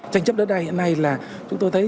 tranh chấp đất đai hiện nay là chúng tôi thấy